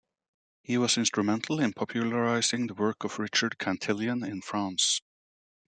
He was instrumental in popularizing the work of Richard Cantillon in France.